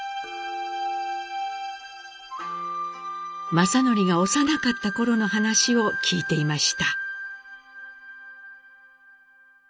正徳が幼かった頃の話を聞いていました。